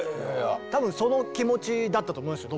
多分その気持ちだったと思いますよ